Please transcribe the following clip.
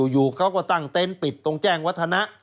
อยู่เขาก็ตั้งเต็นต์ปิดตรงแจ้งวัฒนะ